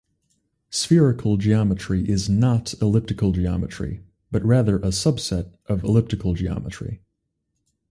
Spherical geometry is "not" elliptic geometry, but is rather a "subset" of elliptic geometry.